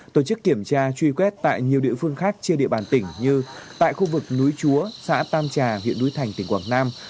tổ chức kiểm tra truy quét tại nhiều địa phương khác trên địa bàn tỉnh như tại khu vực núi chúa xã tam trà huyện núi thành tỉnh quảng nam